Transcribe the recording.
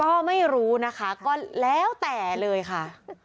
ก็ไม่รู้นะคะก็แล้วแต่เลยค่ะ